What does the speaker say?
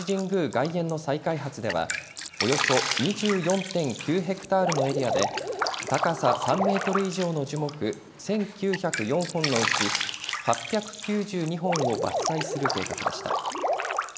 外苑の再開発ではおよそ２４．９ヘクタールのエリアで高さ３メートル以上の樹木１９０４本のうち８９２本を伐採する計画でした。